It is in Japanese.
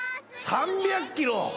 ３００キロ！